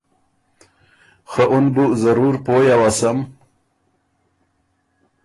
خه اُن بُو ضرور پویٛ اؤسم